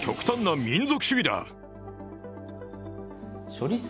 処理水